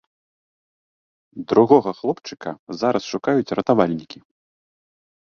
Другога хлопчыка зараз шукаюць ратавальнікі.